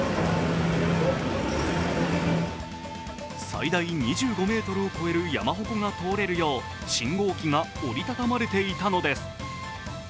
最大２５ｍを超える山鉾が通れるよう信号機が折り畳まれていたのです。